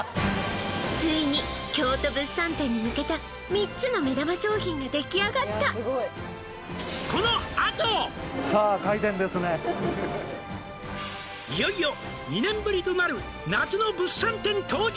ついに京都物産展に向けた３つの目玉商品ができあがった「いよいよ２年ぶりとなる夏の物産展当日」